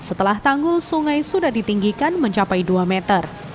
setelah tanggul sungai sudah ditinggikan mencapai dua meter